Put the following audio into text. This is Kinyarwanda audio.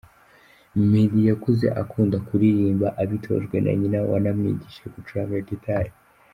Meddy yakuze akunda kuririmba abitojwe na nyina wanamwigishije gucuranga gitari.